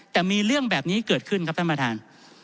แต่มีเรื่องแบบนี้เกิดขึ้นครับท่านประธาน